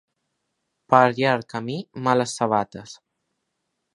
Per llarg camí, males sabates.